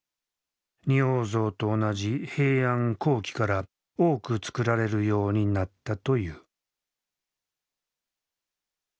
仁王像と同じ平安後期から多くつくられるようになったという。